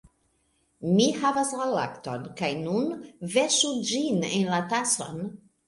Mi havas la lakton, kaj nun... verŝu ĝin en la tason...